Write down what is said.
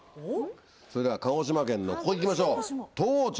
それでは鹿児島県のここ行きましょう東郷町。